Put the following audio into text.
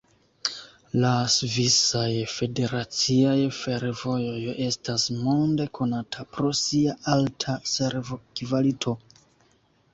La Svisaj Federaciaj Fervojoj estas monde konata pro sia alta servo-kvalito.